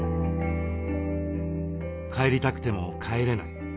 帰りたくても帰れない。